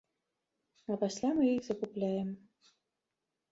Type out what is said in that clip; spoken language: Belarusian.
А пасля мы іх закупляем!